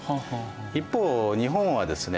一方日本はですね